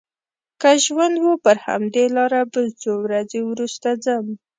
که ژوند و پر همدې لاره به څو ورځې وروسته ځم.